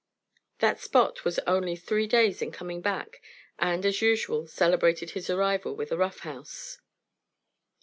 That Spot was only three days in coming back, and, as usual, celebrated his arrival with a rough house.